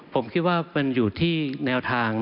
ผมคิดว่ามันอยู่ที่แนวทาง